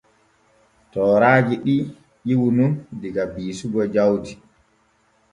Tooraaji ɗi ƴiwu nun diga biisugo jawdi.